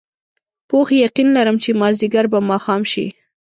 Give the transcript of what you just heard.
پوخ یقین لرم چې مازدیګر به ماښام شي.